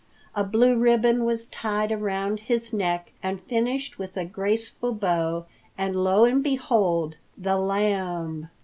A blue ribbon was tied around his neck and finished with a graceful bow, and, lo and behold, the Lamb!